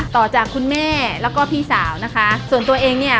ต่อจากคุณแม่แล้วก็พี่สาวนะคะส่วนตัวเองเนี่ย